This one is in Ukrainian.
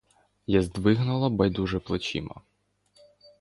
Я здвигнула байдуже плечима.